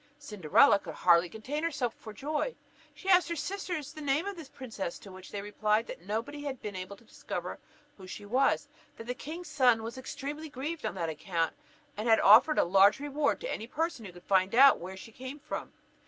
Cinderella could scarcely contain herself for joy: she asked her sisters the name of this princess, to which they replied, that nobody had been able to discover who she was; that the king's son was extremely grieved on that account, and had offered a large reward to any person who could find out where she came from.